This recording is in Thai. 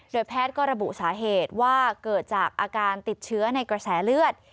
แพทย์ก็ระบุสาเหตุว่าเกิดจากอาการติดเชื้อในกระแสเลือด